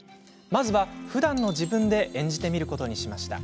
まずは、ふだんの自分で演じてみることにしました。